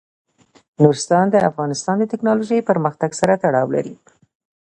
نورستان د افغانستان د تکنالوژۍ پرمختګ سره تړاو لري.